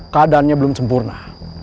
keadaannya belum sempurna